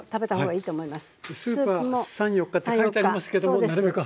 スープは３４日って書いてありますけどもなるべく早く。